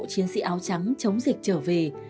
chiến sĩ áo trắng chống dịch trở về